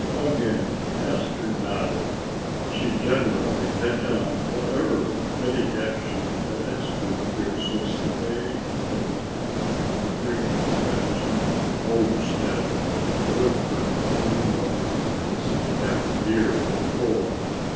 Again Esther nodded. She generally had done whatever Betty Ashton had asked of her since the day of her coming to the great Ashton homestead in Woodford a little more than half a year before.